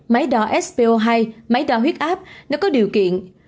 máy đo sco hai máy đo huyết áp nếu có điều kiện